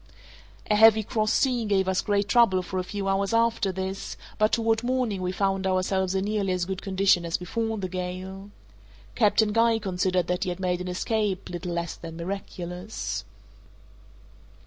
A heavy cross sea gave us great trouble for a few hours after this, but toward morning we found ourselves in nearly as good condition as before the gale. Captain Guy considered that he had made an escape little less than miraculous.